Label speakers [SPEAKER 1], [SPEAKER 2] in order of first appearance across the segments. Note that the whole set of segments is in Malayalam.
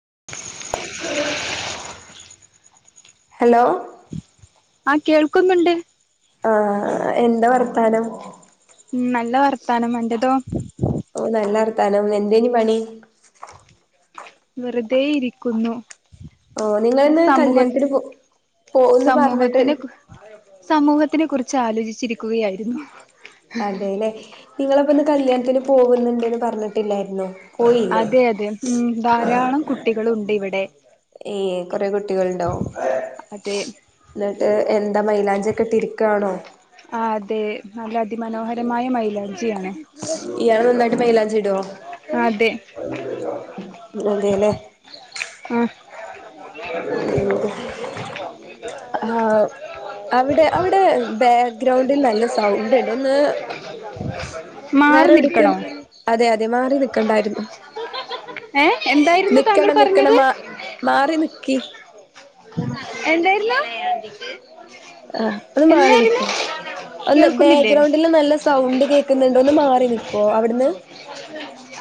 [SPEAKER 1] [inaudible]
[SPEAKER 2] [unintelligible] ഹലോ
[SPEAKER 1] അ കേൾക്കുന്നുണ്ട്
[SPEAKER 2] ആ അ എന്താ വർത്താനം
[SPEAKER 1] മ് നല്ല വർത്താനം അന്റതോ
[SPEAKER 2] ഓ നല്ലർത്താനം എന്തേനി പണി
[SPEAKER 1] വെറുതെ ഇരിക്കുന്നു
[SPEAKER 2] ഓ നിങ്ങളിന്ന്
[SPEAKER 1] സമൂഹ
[SPEAKER 2] കല്യാണത്തിന് പോ പോവുന്ന് പറഞ്ഞിട്ട്
[SPEAKER 1] സമൂഹത്തിന് സമൂഹത്തിനെ കുറിച്ച് ആലോചിച്ചിരിക്കുകയായിരുന്നു
[SPEAKER 2] അതെല്ലെ നിങ്ങളപ്പന്ന് കല്യാണത്തിന് പോകുന്നുണ്ട്ന്ന് പറഞ്ഞിട്ടില്ലായിരുന്നോ പോയില്ലേ
[SPEAKER 1] അതെ അതെ മ് ധാരാളം കുട്ടികളുണ്ട് ഇവിടെ
[SPEAKER 2] ഏ കൊറെ കുട്ടികളുണ്ടോ
[SPEAKER 1] അതെ
[SPEAKER 2] ന്നട്ട് ഏ എന്താ മൈലാഞ്ചിയൊക്കെട്ടിരിക്കാണോ
[SPEAKER 1] അതെ നല്ല അതിമനോഹരമായ മൈലാഞ്ചി ആണ്
[SPEAKER 2] ഇയാള് നന്നായിട്ട് മൈലാഞ്ചി ഇടോ
[SPEAKER 1] അതെ
[SPEAKER 2] അതെ ലെ
[SPEAKER 1] മ്
[SPEAKER 2] അ ആഹ് അവിടെ അവിടെ ബാഗ്രൗണ്ടിൽ നല്ല സൗണ്ട് ഉണ്ട് ഒന്ന്
[SPEAKER 1] മാറി
[SPEAKER 2] വേറെ എവിടക്കും
[SPEAKER 1] നിൽക്കണോ
[SPEAKER 2] അതെ അതെ മാറി നി ക്കെണ്ടായിരുന്നു
[SPEAKER 1] ഏഹ് എന്തായിരുന്നു താങ്കൾ
[SPEAKER 2] നിക്കണം നിക്കണം
[SPEAKER 1] പറഞ്ഞത്
[SPEAKER 2] മാ മാറി നി
[SPEAKER 1] എന്തായിരുന്നു
[SPEAKER 2] [unintelligible] ആഹ് ഒന്ന് മാറി
[SPEAKER 1] എന്തായിരുന്നു
[SPEAKER 2] നിക്കോ ഒന്ന്
[SPEAKER 1] കേൾക്കുന്നില്ലേ
[SPEAKER 2] ബാക്ക്ഗ്രൗണ്ടില് നല്ല സൗണ്ട് കേക്കുന്നുണ്ട് ഒന്ന് മാറി നിക്കോ അവിടുന്ന്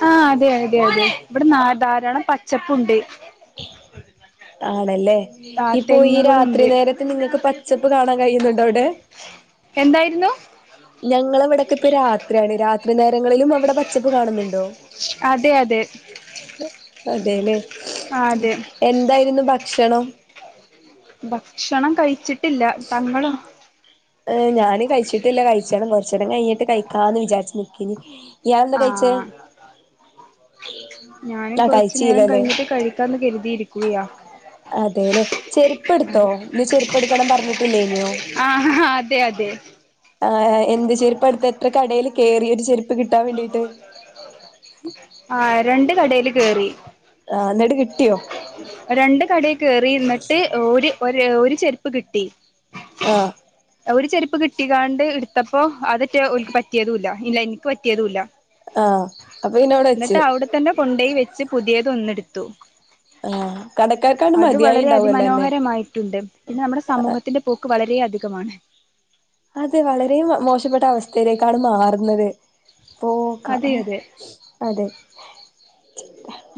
[SPEAKER 1] ആഹ അതെ അതെ അതെ ഇവിടെ ധാരാളം പച്ചപ്പുണ്ട്
[SPEAKER 2] ആണല്ലേ
[SPEAKER 1] ആ
[SPEAKER 2] ഇപ്പോ ഈ രാത്രി
[SPEAKER 1] തെങ്ങുകളുണ്ട്
[SPEAKER 2] നേരത്തെ നിങ്ങക്ക് പച്ചപ്പ് കാണാൻ കഴിയുന്നുണ്ടോ അവിടെ
[SPEAKER 1] എന്തായിരുന്നു
[SPEAKER 2] ഞങ്ങളവിടക്കെപ്പൊ രാത്രിയാണ് രാ നേരങ്ങളിലും അവിടെ പച്ചപ്പ് കാണുന്നുണ്ടോ
[SPEAKER 1] അതെ അതെ
[SPEAKER 2] അതെലേ
[SPEAKER 1] ആ അതെ
[SPEAKER 2] എന്തായിരുന്നു ഭക്ഷണം
[SPEAKER 1] ഭക്ഷണം കഴിച്ചിട്ടില്ല തങ്ങളോ?
[SPEAKER 2] ഏ ഞാനും കഴിച്ചിട്ടില്ല കഴിച്ചണം കുറച്ച് ഒക്കെ കഴിഞ്ഞിട്ട് കഴിക്കാന്ന് വിചാരിച്ച് നികെന്. ഇയാൾ എന്താ
[SPEAKER 1] ആ
[SPEAKER 2] കഴിച്ചെ?
[SPEAKER 1] ഞാനും കുറച്ചു നേരം കഴിഞ്ഞിട്ട് കഴിക്കാന്ന് കരുതിയിരിക്കയാ.
[SPEAKER 2] അതെല്ലെ ചെരുപ്പ് എടുത്തോ നീ ചെരുപ്പ് എടുക്കണം പറഞ്ഞിട്ടില്ലേനോ?
[SPEAKER 1] ആ അതെ അതെ
[SPEAKER 2] ആ എന്ത് ചെരിപ്പയെടുത്തെ എത്ര കടയിൽ കേറിഒരു ചെരുപ്പ്. പ്പ് കിട്ടാൻ വേണ്ടിട്ട്?
[SPEAKER 1] കടയിൽ കേയറി.
[SPEAKER 2] കിട്ടിയോ
[SPEAKER 1] രണ്ട് കടയിൽ കേറി ഇന്നിട്ട് ഒരു ഒരു ചെരുപ്പ് കിട്ടി.
[SPEAKER 2] ആഹ്
[SPEAKER 1] ഒരു ചെരുപ്പ് കിട്ടിക്കാണ്ട് ഇടുത്തപ്പോ അതറ്റെ ഓൽക്ക് പറ്റിയതൂല്ല ഇല്ല എനിക്ക് പറ്റിയതൂല്ല.
[SPEAKER 2] ആ അപ്പൊ പിന്നെ അവിടെ വെച്ച്
[SPEAKER 1] എന്നിട്ട് അവിടെ തന്നെ കൊണ്ടോയി വെച്ച് പുതിയത് ഒന്നെടുത്തു.
[SPEAKER 2] ആ കടക്കാർക്കാണ്ട്
[SPEAKER 1] അത് വളരെ
[SPEAKER 2] മതിയായിണ്ടാവല്ലോ അന്നെ
[SPEAKER 1] അതിമനോഹരമായിട്ടുണ്ട് പിന്നെ നമ്മുടെ സമൂഹത്തിന്റെ പോക്ക് വളരെ അധിക കംമാണ്.
[SPEAKER 2] അതെ വളരെ മോ മോശപ്പെട്ട അവസ്ഥയിലേക്കാണ് മാറുന്നത്. പോക്ക
[SPEAKER 1] അതെ
[SPEAKER 2] ഹെ
[SPEAKER 1] അതെ
[SPEAKER 2] അതെ.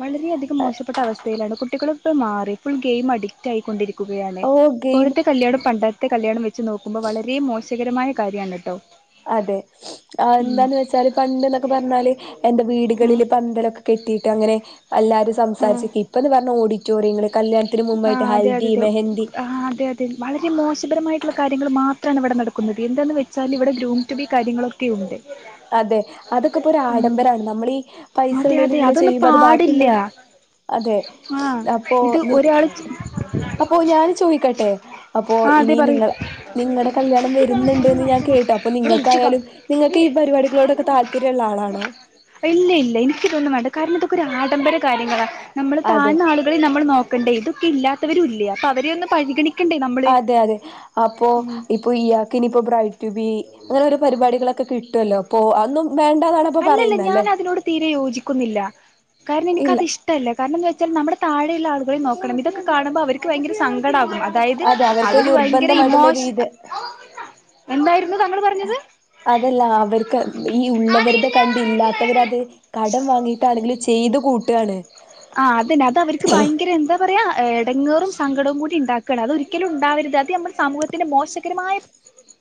[SPEAKER 1] വളരെയധികം മോശപ്പെട്ട അവസ്ഥയിലാണ് കുട്ടികൾ ഇപ്പം മാറി ഫുൾഗെയിം അഡിക്ട് ആയിക്കൊണ്ടിരിക്കു കയാണ്
[SPEAKER 2] ഓ ഗെയിം
[SPEAKER 1] ഇപ്പോഴത്തെ കല്ല്യാണം പണ്ടത്തെ കല്ല്യാണം വെച്ച് നോക്കുമ്പോൾ വളരെ മോശകരമായ കാര്യമാണ് കേട്ടോ.
[SPEAKER 2] അതെ ആ
[SPEAKER 1] ഉം
[SPEAKER 2] എന്താന്ന് വെച്ചാല് പണ്ട് ന്നൊക്കെ പറഞ്ഞാല്
[SPEAKER 1] ഉം
[SPEAKER 2] വീടുകളില് പന്തലൊക്കെ കെട്ടി. അങ്ങനെ എല്ലാവരും
[SPEAKER 1] ഉം
[SPEAKER 2] സംസാരിച്ച്ക്ക് ഇപ്പം എന്ന് പറഞ്ഞ ഓഡിറ്റോറിയങ്ങള്. കല്യാണത്തിന്
[SPEAKER 1] ആ
[SPEAKER 2] മുമ്പായിട്ട്
[SPEAKER 1] അതെ
[SPEAKER 2] ഹൽദി
[SPEAKER 1] അതെതെ
[SPEAKER 2] മെഹന്തി
[SPEAKER 1] ആ അതെതെ വളരെ മോശപരമായിട്ടുള്ള കാര്യങ്ങൾ മാത്ര ത്രം മാണ് ഇവിടെ നടക്കുന്നത് എന്താന്ന് വച്ചാൽ ഇവിടഗ്രൂറ്റൂബികാര്യങ്ങളൊക്കെ ഉണ്ട്.
[SPEAKER 2] അതെ അതൊക്കെ ഇപ്പോ ഒരു ആഡംബരമാണ് നമ്മളീ പൈസ
[SPEAKER 1] അതെ
[SPEAKER 2] ഉള്ളോൽ
[SPEAKER 1] അതെ
[SPEAKER 2] ഇങ്ങനെ
[SPEAKER 1] അതൊന്നും
[SPEAKER 2] ചെയ്യുമ്പോ അത്
[SPEAKER 1] പാടില്ല
[SPEAKER 2] ബാക്കിയുള്ളോൽ. അതെ
[SPEAKER 1] ആ
[SPEAKER 2] അപ്പൊ
[SPEAKER 1] ഇത്
[SPEAKER 2] നി
[SPEAKER 1] ഒരാൾ
[SPEAKER 2] അപ്പൊ ഞൻ ചോദിക്കട്ടെ? അപ്പോ
[SPEAKER 1] ആ അതെ
[SPEAKER 2] ഇനി
[SPEAKER 1] പറയൂ
[SPEAKER 2] നിങ്ങൾ. നിങ്ങളുടെ കല്ല്യാണം വരുന്നുണ്ട് എന്ന് ഞാൻ കേട്ടു അപ്പൊ
[SPEAKER 1] ഇവിടെ വിളിച്ചിക്കാ
[SPEAKER 2] നിങ്ങൾക്കായാലും നിങ്ങൾക്ക് ഈ പരിപാടികളോടൊക്കെ താല്പര്യ ഉള്ള ആളാണോ?
[SPEAKER 1] ഇല്ല ഇല്ല എനിക്കിതൊന്നും വേണ്ട കാരണം ഇതൊക്കെ ഒരു ആഡംബര കാര്യങ്ങളാണ് നമ്മൾ
[SPEAKER 2] അതെ
[SPEAKER 1] താഴ്ന്ന ആളുകളിൽ നമ്മൾ നോക്കേണ്ടെ ഇതും. ഇല്ലാത്തവരും ഇല്ലെ അ അവെരെ യൊന്ന് പരിഗണിക്കേണ്ടെ.
[SPEAKER 2] അതെ അതെ അപ്പൊ ഇപ്പൊ ഇയാക്കിനി ഇപ്പോ ബ്രൈറ്റൂ റ്റൂബി അങ്ങനെ ഒരു പരിപാടികളൊക്കെ കിട്ടുമല്ലോ അപ്പോ അന്നും.
[SPEAKER 1] അല്ലല്ല ഞാൻ അതിനോട് തീരെ യോജിക്കുന്നില്ല കാരണം
[SPEAKER 2] ഇല്ല
[SPEAKER 1] എനിക്കത് ഇഷ്ടല്ല കാരണം എന്ന് വെച്ച ൽ നമ്മുടെ താഴെയുള്ള ആളുകളെ നോക്കണം ഇതക്കെ കാണുമ്പോ അവർക്ക് ഭയക്കര സങ്കടകും.
[SPEAKER 2] അതെ അവർക്ക് നിർബന്ധമായിട്ടുള്ള ഈ ഒര് ഇത്
[SPEAKER 1] എന്തായിരുന്നു താങ്കൾ പറഞ്ഞത്
[SPEAKER 2] അതല്ല അവർക്ക് ഈ ഉള്ളവര്ത് ക്കെ കണ്ട്
[SPEAKER 1] അതെല്ലാം
[SPEAKER 2] ഇല്ലാത്തവരത് കടം വാങ്ങിട്ടാണെങ്കിൽ ചെയ്ത് കൂട്ടു ആണ്.
[SPEAKER 1] ആഹ അതന്നെ അത് അവർക്ക് ഭയങ്കര എന്താ പറയാ എടങ്ങേറും സങ്കടവും കൂടി ഉണ്ടാക്ക ണം അതൊരിക്കലും ഉണ്ടാവരുത് അത് നമ്മുടെ സമൂഹത്തിന്റെ മോശകരമായ.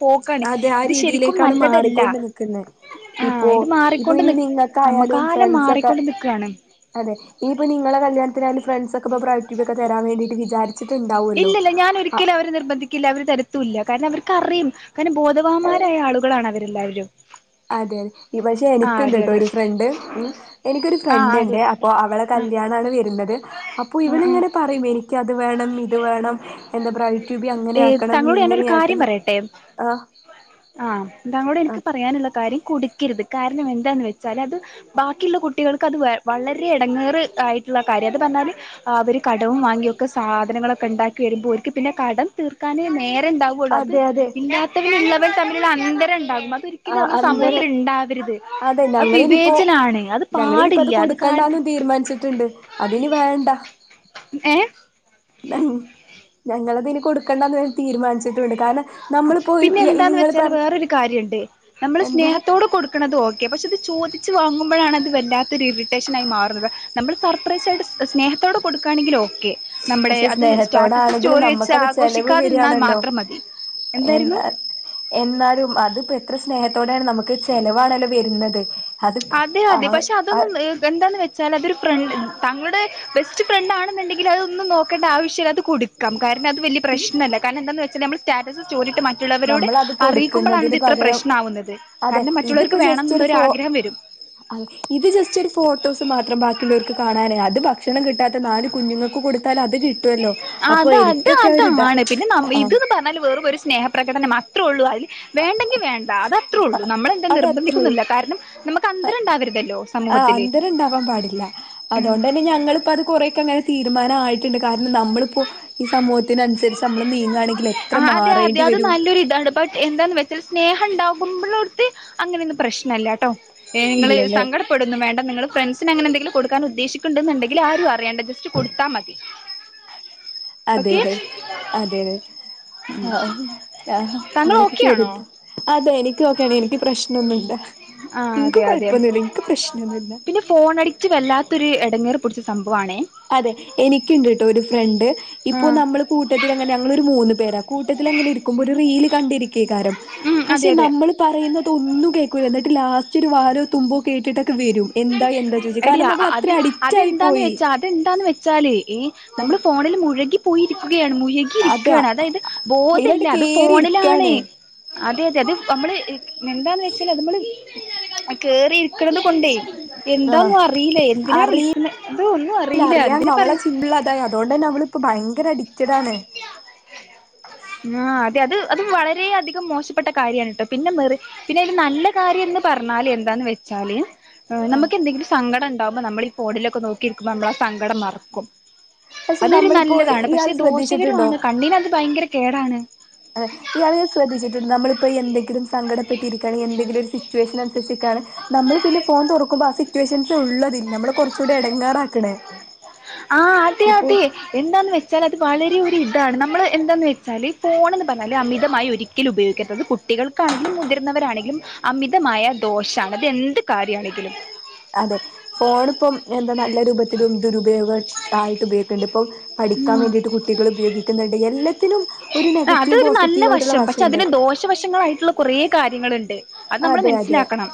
[SPEAKER 1] പോക്കാണ്
[SPEAKER 2] അതെ ആ
[SPEAKER 1] ഇത് ശരിക്കും
[SPEAKER 2] രീതിയിലേക്കാണ്
[SPEAKER 1] നല്ലതല്ല
[SPEAKER 2] മാറിക്കൊണ്ട് നിക്കുന്നത്.
[SPEAKER 1] ആഹ്
[SPEAKER 2] ഇപ്പോ
[SPEAKER 1] ഇത്
[SPEAKER 2] ഇപ്പോ
[SPEAKER 1] മാറിക്കൊണ്ട്
[SPEAKER 2] ഇനി
[SPEAKER 1] നി
[SPEAKER 2] നിങ്ങക്ക്
[SPEAKER 1] നമ്മ
[SPEAKER 2] ആയാലും
[SPEAKER 1] കാലം
[SPEAKER 2] ഫ്രണ്ട്സ്ഒക്കെ
[SPEAKER 1] മാറിക്കൊണ്ട് നിക്കാണ്
[SPEAKER 2] അതെ. ഇനിപ്പ നിങ്ങളെ കല്ല്യാണത്തിനായാലും ഫണ്ട്സ് ഒക്കെ ഇപ്പോ ബ്രെറ്റൂബി ഒക്കെ തരാൻ വേണ്ടിയിട്ട് വിചാരി
[SPEAKER 1] ഇല്ലല്ല ഞാൻ ഒരിക്കലും അവരെ നിർബന്ധിക്കില്ല അവര് തര ത്തും ഇല്ല കാരണം അവർക്ക്റിയും കാരണം
[SPEAKER 2] ആ
[SPEAKER 1] ബോധവാന്മാരായ ആളുകളാണ് അവരെല്ലാവരും.
[SPEAKER 2] അതെ ഇവ പക്ഷെ
[SPEAKER 1] ആഹ്
[SPEAKER 2] എനിക്ക്ണ്ട്
[SPEAKER 1] അതെ
[SPEAKER 2] ട്ടോ
[SPEAKER 1] അതെ
[SPEAKER 2] ഒരു ഫ്രണ്ട്. ഉം എനിക്കൊരു
[SPEAKER 1] ആഹ്
[SPEAKER 2] ഫ്രണ്ട്
[SPEAKER 1] അതെ
[SPEAKER 2] ഉണ്ടേ. അപ്പൊ അവളെ ക
[SPEAKER 1] ആഹ്
[SPEAKER 2] കല്ല്യാണണ് വരുന്നത് അപ്പോ
[SPEAKER 1] ആഹ്
[SPEAKER 2] ഇവൻ
[SPEAKER 1] ആഹ്
[SPEAKER 2] ഇങ്ങനെ പറയും എനക്കത് വേണം ഇത് വേണം. എന്താ ബ്രൈറ്റൂബി അങ്ങനെ
[SPEAKER 1] ഏഹ്
[SPEAKER 2] ആക്കണം നീ
[SPEAKER 1] താങ്കളോട്
[SPEAKER 2] ഇങ്ങനെയക്കണം ആ.
[SPEAKER 1] ആഹ താങ്ങളോട് എനിക്ക് പറയാനുള്ള കാര്യം. കുടികരുത് കാരണം എന്താെന്ന് വെച്ചാൽ അത് ബാക്കിയുള്ള കുട്ടികൾക്ക് അത് വളരെ ഇടങ്ങേറ് ആയി ള്ള കാര്യ അത് പറഞ്ഞാല് അവർ കടവും വാങ്ങിയൊക്കെ സാധനങ്ങളൊക്കെ ഉണ്ടാക്കി വരുമ്പോൾ അവർക്ക് പിന്നെ കടം തീർക്കാ നേരെ ഉണ്ടാാവുള്ളൂ അത്
[SPEAKER 2] അതെ അതെ
[SPEAKER 1] ഇല്ലാത്തവരുള്ളവർ തമ്മുള്ള അന്തരം ഉണ്ടാവും അതൊ ഒരിക്കലും
[SPEAKER 2] ആഹ്
[SPEAKER 1] നമ്മുടെ
[SPEAKER 2] അന്തര
[SPEAKER 1] സമൂഹത്തിൽ ഉണ്ടാവരുത്
[SPEAKER 2] അതെ
[SPEAKER 1] അത്
[SPEAKER 2] ഞങ്ങൾ ഇനിപ്പോ
[SPEAKER 1] വിവേചനാണ് അത്
[SPEAKER 2] ഞങ്ങള ഇനിയിപ്പോ
[SPEAKER 1] പാടില്ല
[SPEAKER 2] അത്
[SPEAKER 1] കാര
[SPEAKER 2] കൊടുക്കണ്ടാന്നന്ന് തീരുമാനിച്ചിട്ടുണ്ട് അതിനി വേണ്ട ണ്ട
[SPEAKER 1] ഏ
[SPEAKER 2] ഞങ്ങൾ അതിനി കൊടുക്കെണ്ടെന്ന് തീരുമാനിച്ചിട്ട്
[SPEAKER 1] പിന്നെ എന്താണ് വെച്ചാല്
[SPEAKER 2] പറ
[SPEAKER 1] വെറൊരു കാര്യുണ്ട് നമ്മള്
[SPEAKER 2] എന്താ
[SPEAKER 1] സ്നേഹത്തോട് കൊടുക്കണത് ഒക്കെ പക്ഷെ, അത് ചോദിച്ചു വാങ്ങുമ്പോഴാണ് അത് വല്ലാത്ത ഒരു ഇറിറ്റേഷൻ ആയി മാറുന്നത്. നമ്മൾ സർപ്രൈസ് ആയിട്ട് സ്നേഹ [unintelligible] കൊടുക്കയാണെങ്കിൽ ഓക്കെ നമ്മുടെ
[SPEAKER 2] പക്ഷെ
[SPEAKER 1] അത് സ്റ്റാറ്റസ്
[SPEAKER 2] സ്നേഹത്തോടാണെങ്കിലും
[SPEAKER 1] സ്റ്റോറി വെച്ച്
[SPEAKER 2] നമ്മക്കത് ചെലവ്
[SPEAKER 1] ആഘോഷിക്കാതിരുന്നാൽ
[SPEAKER 2] വരികയാണല്ലോ
[SPEAKER 1] മാത്രം മതി എന്തായിരുന്നു
[SPEAKER 2] എന്നാലും അതിപ്പോ എത്ര സ്നേഹത്തോടെയാണ് നമുക്ക് ചെലവാണല്ലോ വരുന്നത് അത്
[SPEAKER 1] അതെ
[SPEAKER 2] ആ
[SPEAKER 1] അതെ പക്ഷെ
[SPEAKER 2] ആ
[SPEAKER 1] അതൊന്നും എന്തന്ന് വെ അത് ഒരു ഫ്രണ്ട് തങ്ങളുടെ ബെസ്റ്റ് ഫ്രണ്ട് ആണെന്നുണ്ടെങ്കിൽ അതൊന്നന്ന് നോക്കേണ്ട ആവശ്യമില്ല അത് കൊടുക്കാം അത് വലിയ പ്രശ്നമല്ല, കാരണം എന്താ വെച്ചാൽ നമ്മൾ സ്റ്റാറ്റസ് സോറി ഒക്കെ മാറ്റി മറ്റുള്ളവരോട്
[SPEAKER 2] നമ്മളത്
[SPEAKER 1] അറിയിക്കുമ്പോളാണ്
[SPEAKER 2] കൊടുക്കുന്നതിന്
[SPEAKER 1] ഇത് ഇത്ര
[SPEAKER 2] പകരം
[SPEAKER 1] പ്രശ്നമാവുന്നത്
[SPEAKER 2] അതെ
[SPEAKER 1] കാരണം മറ്റുള്ളവർക്ക് വേണമെന്നുള്ള ഒരു ആഗ്രഹം വരും
[SPEAKER 2] അ ഇത് ജസ്റ്റ് ഒരു ഫോട്ടോസ് മാത്രം ബാക്കിയുള്ളവർക്ക് കാണാന് അത് ഭക്ഷണം കിട്ടാത്ത നാല് കുഞ്ഞുങ്ങൾക്ക് കൊടുത്താൽ അത് ക
[SPEAKER 1] ആ അത് അത് അതാണ് പിന്നെ
[SPEAKER 2] ആ
[SPEAKER 1] ഇതന്ന് പറഞ്ഞാല് വെറും ഒരു സ്നേഹഠ പ്രകടനം മാത്രേ ഉള്ളൂ അതിൽ വേണ്ടെങ്കിൽ വേണ്ട അത അത്രേ ഉള്ളൂ നമ്മളെന്താ
[SPEAKER 2] അതത്രേള്ളൂ
[SPEAKER 1] നിർബന്ധിക്കന്നില്ല കാരണം നമുക്ക് അന്തരം ഉണ്ടാവരുതല്ലോ
[SPEAKER 2] ആഹ്
[SPEAKER 1] സമൂഹത്തിൽ
[SPEAKER 2] അന്തരം ഉണ്ടാവാൻ പാടില്ല അതുകൊണ്ട് ഞങ്ങൾ കുറെ ഒക്കെ അങ്ങ തീരുമാനയിട്ടുണ്ട്, കാരണം നമ്മളിപ്പോ ഈ സമൂഹത്തിനനുസരിച്ച് നമ്മള് നീങ്ങ ആണെങ്കിൽ
[SPEAKER 1] ആ അതെ അതെ അത് നല്ലൊരു ഇതാണ് ബട്ട് എന്താന്ന് വെച്ച സ്നേഹം ഉണ്ടാകുമ്പോളോടത്ത് അങ്ങനെയൊന്നും പ്രശ്നമല്ല കേട്ടോ ഏ നിങ്ങൾ
[SPEAKER 2] ഇല്ലല്ലേ
[SPEAKER 1] സങ്കടപ്പെടുന്നു വേണ്ട നിങ്ങള് ഫ്രണ്ട്സ് പിനെ അങ്ങനെ എന്തെങ്കിലും കൊടുക്കാൻ ഉദ്ദേശിക്കണ്ട എന്നുണ്ടെങ്കിൽ ആരും അറിയണ്ട ജസ്റ്റ് കൊടുത്താൽ മതി ഓക്കെ
[SPEAKER 2] അതെതെ അതെതെ ആ ആ
[SPEAKER 1] താങ്കൾ
[SPEAKER 2] അങ്ങനെയൊക്കെ
[SPEAKER 1] ഓക്കെ ആണോ
[SPEAKER 2] [unintelligible] അതെ എനിക്ക് ഒക്കെയാണ് എനിക്ക് പ്രശ്നമൊന്നുമില്ല.
[SPEAKER 1] ആ അതെ അതെ പിന്നെ ഫോൺ അഡിക്റ്റ് വല്ലാത്തൊരു ഇടങ്ങേറ് പിടിച്ച സംഭ
[SPEAKER 2] അതെ, എനിക്കുണ്ട് കേട്ടോ ഒരു ഫ്രണ്ട്
[SPEAKER 1] ആ
[SPEAKER 2] ഇപ്പോ നമ്മള് കൂട്ടത്തിൽ അങ്ങനെ ഞങ്ങൾ ഒരു മൂന്ന് പേരാണ്. കൂട്ടത്തിലാങ്ങനെയിരിക്കുമ്പോ ഒരു റീൽ കണ്ടിരിക്ക കാരം
[SPEAKER 1] ഉം
[SPEAKER 2] പക്ഷെ
[SPEAKER 1] അതെ അതെ
[SPEAKER 2] നമ്മൾ പറയുന്നുന്നത് ഒന്നും കേൾക്കൂല്ല എന്നിട്ട് ലാസ്റ്റ് ഇച്ചിരി വാലോ തുമ്പോ കേട്ടിട്ടൊക്കെ വരും എന്താ എന്താ ചോദിച്ചു
[SPEAKER 1] എടി
[SPEAKER 2] കാരണം നമ്മൾ അത്ര അഡിക്റ്റ് ആയി പോയി.
[SPEAKER 1] വച്ചാൽ എ
[SPEAKER 2] ആഹ്
[SPEAKER 1] നമ്മള് ഫോണിൽ മുഴുകി പോയിരിക്കും ഇരിക്കുകയാണ് മുഴുകി
[SPEAKER 2] അതെ
[SPEAKER 1] ഇരിക്കുകയാണ് അതായത് ബോധല്ല
[SPEAKER 2] അയിലണ്ട്
[SPEAKER 1] അത്
[SPEAKER 2] കേറി
[SPEAKER 1] ഫോണിലാണ്
[SPEAKER 2] ഇരിക്കാണ്
[SPEAKER 1] അതെ അതെ അത് നമ്മള് എന്താന്ന് വെച്ചാല് നമ്മള് കേറി ഇര്ക്ക്‌ണത് കൊണ്ടേ
[SPEAKER 2] ആഹ്
[SPEAKER 1] എന്താന്നും അറിയില്ല എന്തിനാ
[SPEAKER 2] അറിയില്ല
[SPEAKER 1] വിളിക്കുന്നത് അത് ഒന്നും അറിയില്ല എന്തിനാ പറിണ്
[SPEAKER 2] ഇപ്പ പ്പോ ഭയങ്കരടി
[SPEAKER 1] ആ അതെ അത് അത് വളരെയധികം മോശപ്പെട്ട കാര്യമാണ് കേട്ടോ പിന്നെ മെറി പിന്നെയ്ല് നല്ല കാര്യം എന്ന് പറഞ്ഞാല് എന്താന്ന് വെച്ചാല്
[SPEAKER 2] ആഹ്
[SPEAKER 1] നമുക്ക് എന്തെങ്കിലും സങ്കടണ്ടാമ്പോ നമ്മൾ ഈ ഫോണിലൊക്കെ നോക്കിരിക്കുമ്പോ നമ്മള ആ സങ്കടം മർക്കും.
[SPEAKER 2] പക്ഷെ നമ്മള്പ്പോ ഈ
[SPEAKER 1] പക്ഷെ ദോഷകരുആണ് കണ്ണീനത് ഭയങ്കര കേടാണ്
[SPEAKER 2] ഇയാൾ ങ്ങനെ ശ്രദ്ധിച്ചിട്ടുണ്ട് നമ്മളിപ്പോ എന്തെങ്കിലും സങ്കടപ്പെട്ടിരിക്കാണ് എന്തെങ്കിലും ഒരു സിറ്റുവേഷൻ അനുസരിച്ച് നമ്മള് പിന്നെ ഫോൺ തുറക്കുമ്പോ ആ സിറ്റുവേഷൻസ് ഉള്ളതിൽ നമ്മളെ കുറച്ച കൂടി ഇടങ്ങാറാക്കണേ
[SPEAKER 1] ആഹ അതെ അതെ എന്താന്ന് വെച്ച വച്ചാൽ അത് വളരെ ഒരു ഇതാണ് നമ്മൾ എന്താെന്ന് വെച്ചാൽ ഫോണന്ന് പറഞ്ഞാൽ അമിതമായി ഒരിക്കലും ഉപയോഗിക്കേണ്ടത്. കുട്ടി കുട്ടികൾക്കാണെങ്കിലും മുതിർന്നവരാണെങ്കിലും അമിതമായ ദോഷാണ് അത് എന്ത് കാര്യണെങ്കിലും.
[SPEAKER 2] അതെ ഫോൺ ഇപ്പം എന്താ നല്ല രൂപത്തിലും ദുരുപയോഗ ആയിട്ട് ഉപയോഗിക്കണ്ട് ഇപ്പൊ പഠിക്കാൻ
[SPEAKER 1] ഉം
[SPEAKER 2] വേണ്ടിയിട്ട് കുട്ടികൾ ഉപയോഗിക്കുന്നുണ്ട് എല്ലാത്തിനും ഒരു നെഗറ്റീവ് പോസിറ്റീവ് ആയിട്ടുള്ള വശണ്ട്.
[SPEAKER 1] വശങ്ങളായിട്ടുള്ള കുറ കാര്യങ്ങളുണ്ട് അത് നമ്മള്
[SPEAKER 2] അതെ അതെ
[SPEAKER 1] മനസ്സിലാക്കണം.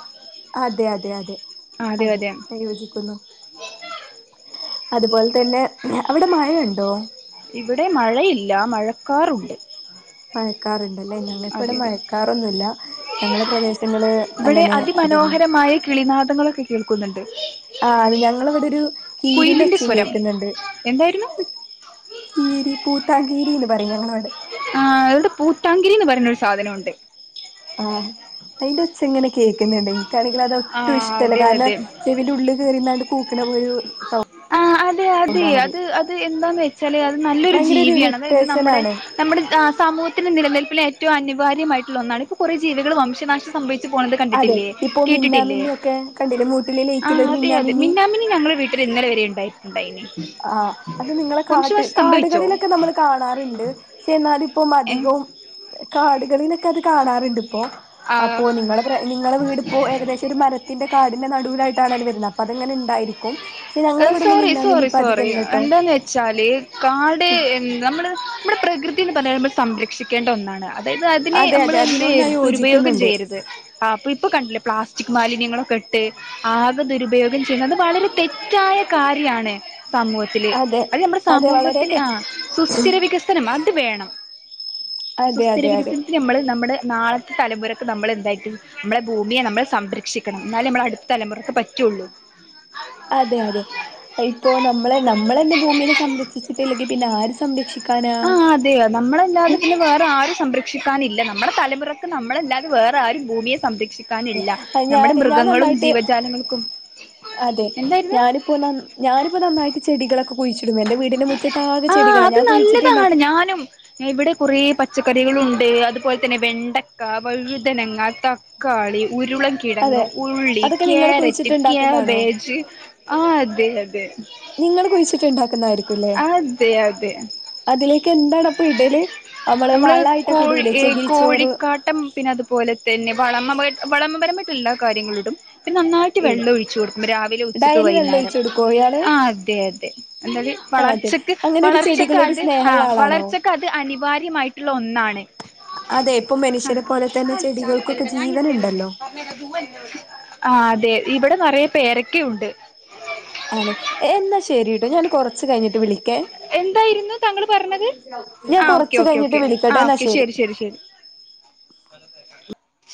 [SPEAKER 2] അതെ അതെ അതെ അതെ ഞാൻ യോജിക്കുന്നു. അതുപോലെ തന്നെ അവിടെ മഴയുണ്ടോ?
[SPEAKER 1] ഇവിടെ മഴയില്ല മഴക്കാറുണ്ട്.
[SPEAKER 2] മക്കാറുണ്ടല്ലേ ഞങ്ങക്ക് ഇവടെ
[SPEAKER 1] അതെ അതെ
[SPEAKER 2] മഴക്കാറൊന്നുല്ല. ഞങ്ങളെ പ്രദേശങ്ങള് അങ്ങനെ അതൊന്ന
[SPEAKER 1] ങ്ങളൊക്കെ കേൾക്കുന്നുണ്ട്.
[SPEAKER 2] ആ അത് ഞങ്ങളവിടെൊരു കീരന്റെ
[SPEAKER 1] കുയിലിന്റെ
[SPEAKER 2] ഒച്ചയും
[SPEAKER 1] സ്വരം
[SPEAKER 2] കേക്കുന്നുണ്ട്
[SPEAKER 1] എന്തായിരുന്നു
[SPEAKER 2] കീരി പൂത്താങ്കേരി എന്ന് പറയും ഞങ്ങള അവിടെ
[SPEAKER 1] ആ അടെ പൂത്താങ്കിരിന്ന് പറയുന്ന ഒരു സാധനണ്ട്
[SPEAKER 2] ആഹ അയിന്റെ ഒച്ച എങ്ങനെ കേൾക്കുന്നുണ്ടെങ്കിൽ ഇൻകാണെങ്കിൽ അത്
[SPEAKER 1] ആ
[SPEAKER 2] ഒട്ടും ഇഷ്ടല്ല
[SPEAKER 1] അതെ
[SPEAKER 2] കാരണം
[SPEAKER 1] അതെ
[SPEAKER 2] ചെവിന്റെ ഉള്ളിൽ കയറി ന്നാണ്ട് സൗണ്ട്
[SPEAKER 1] ആ് അതെ അതെ അത് അത് എന്താന്ന് വെച്ചാല് അത് നല്ലൊരു
[SPEAKER 2] ഭയങ്കര ഒരു
[SPEAKER 1] ജീവിയാണ് അതായത്
[SPEAKER 2] ഇറിറ്റേഷൻ
[SPEAKER 1] നമ്മുടെ
[SPEAKER 2] ആണ്
[SPEAKER 1] നമ്മുടെ ആ സമൂഹത്തിന്റെ നിലനിൽപ്പിൽ ഏറ്റവും അനിവാര്യമായിട്ടുള്ള ഒന്നാണ് ഇപ്പൾ കൊറേ ജീവികൾ വംശനാശംഭവിച്ചത്. പോകുന്നത്
[SPEAKER 2] അതെ
[SPEAKER 1] കണ്ടിട്ടില്ലേ
[SPEAKER 2] ഇപ്പൊ
[SPEAKER 1] കേട്ടിട്ടില്ലേ
[SPEAKER 2] മിന്നാമിന്നിയൊക്കെ കണ്ടില്ലേ മൂട്ടില്
[SPEAKER 1] ആ
[SPEAKER 2] ലൈറ്റില് ഒരു
[SPEAKER 1] അതെ അതെ
[SPEAKER 2] മിന്നാമിന്നി
[SPEAKER 1] മന്നാമിനി ഞങ്ങളെ വീട്ടി ല് ഇന്നല വരെ ഉണ്ടായിട്ടുണ്ടായിനിം
[SPEAKER 2] ആ അത് നിങ്ങളെ കാട്ട
[SPEAKER 1] സംഭവിച്ചോ
[SPEAKER 2] കാടുകളിലൊക്കെ നമ്മൾ കാണാറുണ്ട് പക്ഷെ എന്നാല ഇപ്പം
[SPEAKER 1] ഏഹ്
[SPEAKER 2] അധികവും - കാടുകളിലൊക്കെ അത് കാണാറുണ്ട്. ഇപ്പോ അപ്പോ
[SPEAKER 1] ആഹ്
[SPEAKER 2] നിങ്ങള നിങ്ങളെ വീടിപ്പോ ഏകദേശം ഒരു മരത്തിന്റെ കാടിന്റെ നടുവിലായിട്ട്. വരുന്നത് അത്ങ്ങനെ ണ്ടായിരിക്കും പക്ഷേ ഞൾവിടന്ന്
[SPEAKER 1] സോറി
[SPEAKER 2] മിന്നാമിന്നി
[SPEAKER 1] സോറി
[SPEAKER 2] ഇപ്പ
[SPEAKER 1] സോറി
[SPEAKER 2] അധികല്ലട്ടോ
[SPEAKER 1] എന്താെന്ന് വെച്ചാൽ കാട് എന്താ നമ്മ നമ്മുടെ പ്രകൃതി എന്ന് പറഞ്ഞ നമ്മൾ സംരക്ഷിക്കേണ്ട ഒന്നാണ്. അതായത് അതിനെ
[SPEAKER 2] അതെ
[SPEAKER 1] നമ്മള്
[SPEAKER 2] അതെ
[SPEAKER 1] എന്ത്
[SPEAKER 2] അതിനോട് ഞാൻ
[SPEAKER 1] ദുരുപയോഗം
[SPEAKER 2] യോജിക്കുന്നുണ്ട്
[SPEAKER 1] ചെയ്യരുത് അപ്പൊ ഇപ്പൊ കണ്ടില്ലേ പ്ലാസ്റ്റിക് മാലിന്യങ്ങളൊക്കെ ഇട്ട് ആകെ ദുരുപയോഗം ചെയ്യുന്നത്ത് വളരെ തെറ്റ തെറ്റായ കാര്യാണ്. സമൂഹത്തില്
[SPEAKER 2] അതെ
[SPEAKER 1] അത് നമ്മുടെ
[SPEAKER 2] അതെ വളരെ
[SPEAKER 1] സമൂഹത്തിൽ ആ
[SPEAKER 2] തെറ്റ്
[SPEAKER 1] സുസ്ഥിര വികസനം അത് വേണം.
[SPEAKER 2] അതെ
[SPEAKER 1] സുസ്ഥിര
[SPEAKER 2] അതെ അതെ
[SPEAKER 1] വികസനത്തി നമ്മൾ നമ്മുടെ നാളത്തെ തലമുറയ്ക്ക് നമ്മൾ എന്തായിട്ടും നമ്മളുടെ ഭൂമിയെ നമ്മൾ സംരക്ഷിക്കണം എന്നാലെ നമ്മളെ അടുത്ത തലമുറയ്ക്ക് പറ്റൊള്ളൂ ഒള്ളൂ
[SPEAKER 2] അതെ അതെ ഇപ്പോൊ നമ്മളെ നമ്മളെന്നെ ഭൂമിയെ സംരക്ഷിച്ചിട്ടില്ലെങ്കിൽ പിന്നെ ആര് സംരക്ഷിക്കാനാ നാ
[SPEAKER 1] ആഹ് അതെ നമ്മളല്ലാതെ പിന്നെ വേറെ ആരും സംരക്ഷിക്കാനില്ല. നമ്മളല്ലതെ വേറെ ആരും ഭൂമിയെ സംരക്ഷിക്കൂല. രക്ഷിക്കാനില്ല നമ്മുടെ
[SPEAKER 2] ഞാൻ ഞാൻ
[SPEAKER 1] മൃഗങ്ങളും
[SPEAKER 2] നന്നായിട്ട്
[SPEAKER 1] ജീവജാലങ്ങൾക്കും.
[SPEAKER 2] അതെ
[SPEAKER 1] എന്തായിരുന്നു
[SPEAKER 2] ഞാനിപ്പോ ഞാനിപ്പോ നന്നായിട്ട് ചെടികളൊക്കെ കുഴിച്ചിടും എന്റെ വീടിന്റെ മുറ്റത്താകെ ചെടികളാ ഞാൻ കുഴിച്ചിട്ടുണ്ടാക്കെ
[SPEAKER 1] ഞൻ ഇവിടെ കുറേ പച്ചക്കറികളുണ്ട് അതുപോലെ തന്നെ വെണ്ടക്ക, വഴുതനങ്ങ, തക്കാളി, ഉരുള
[SPEAKER 2] അതെ
[SPEAKER 1] കിഴങ്ങ്, ഉള്ളി,
[SPEAKER 2] അതൊക്കെ നിങ്ങള്
[SPEAKER 1] ക്യാരറ്റ്,
[SPEAKER 2] കുഴിച്ചിട്ടുണ്ടാക്കുന്നതാണോ
[SPEAKER 1] ക്യാബേജ്, ആ അതെ അതെ
[SPEAKER 2] നിങ്ങള് കുഴിച്ചിട്ടുണ്ടാക്കുന്നതായിരിക്കുംല്ലേ
[SPEAKER 1] അതെ അതെ
[SPEAKER 2] അതിലേക്ക് എന്താണപ്പൊ ഇടല്
[SPEAKER 1] നമ്മള്
[SPEAKER 2] വളായിട്ടൊക്കെ
[SPEAKER 1] കോഴി
[SPEAKER 2] ഇടൂലേ
[SPEAKER 1] ഏ
[SPEAKER 2] ചകിരിച്ചോറ്
[SPEAKER 1] കോഴിക്കാട്ടം പിന്നെ അതുപോലെ തന്നെ വളമ വളമപരമായിട്ട് എല്ലാ കാര്യങ്ങള്ടും. പിപ്പ നന്നായിട്ട്
[SPEAKER 2] ഇട
[SPEAKER 1] വെള്ളം ഒഴിച്ചച്ച് കൊടുക്കും രാവിലെ ഉച്ചക്ക്
[SPEAKER 2] ഡയലി വെള്ളം
[SPEAKER 1] വൈകുന്നേരം
[SPEAKER 2] ഒഴിച്ചു കൊടുക്കോ ഇയാള്
[SPEAKER 1] ആ അതെ അതെ എന്തായല്
[SPEAKER 2] ആഹ് അതെ
[SPEAKER 1] വളർച്ചക്ക്
[SPEAKER 2] അങ്ങനെ ഒരു
[SPEAKER 1] വളർച്ചക്ക്
[SPEAKER 2] ചെടികളോട്
[SPEAKER 1] അത് ആ
[SPEAKER 2] സ്നേഹമുള്ള ആളാണോ
[SPEAKER 1] വളർച്ചക്ക് അത് അനിവാര്യമായിട്ടുള്ള ഒന്നാണ്.
[SPEAKER 2] അതെ ഇപ്പൊ മനുഷ്യന പോലെ തന്നെ ചെടികൾക്കൊക്കെ ജീവൻ. ഉണ്ടല്ലോ?
[SPEAKER 1] ആ അതെ ഇവിടെ നിറയ പേരൊക്കെ ഉണ്ട്.
[SPEAKER 2] അതെ എന്നാ ശെരി കേട്ടോ ഞാൻ കൊറച്ച് കഴിഞ്ഞിട്ട് വിളിക്ക
[SPEAKER 1] എന്തായിരുന്നു താങ്കൾ പറഞ്ഞത്
[SPEAKER 2] ഞാൻ
[SPEAKER 1] ആ ഓക്കെ
[SPEAKER 2] കൊറച്ച്
[SPEAKER 1] ഓക്കെ
[SPEAKER 2] കഴിഞ്ഞിട്ട്
[SPEAKER 1] ഓക്കെ ആ
[SPEAKER 2] വിളിക്കട്ടെ എന്നാ
[SPEAKER 1] ഓക്കെ ശരി ശരി ശരി [unintelligible]